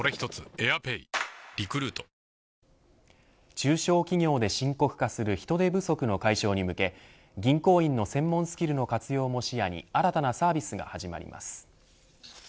中小企業で深刻化する人手不足の解消に向け銀行員の専門スキルの活用も視野に、新たなサービスが始まります。